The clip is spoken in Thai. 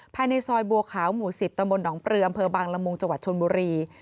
ภายในซอยบัวขาวหมู่๑๐ตำบลหนองปลืออำเภอบางละมุงจังหวัดชนบุรี